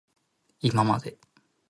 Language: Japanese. いままで